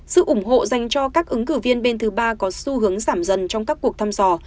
sự ủng hộ dành cho các ứng cử viên bên thứ ba có xu hướng giảm dần trong các cuộc thăm dò